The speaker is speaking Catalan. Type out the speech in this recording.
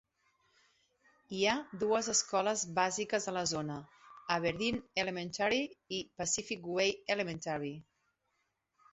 Hi ha dues escoles bàsiques a la zona, Aberdeen Elementary i Pacific Way Elementary.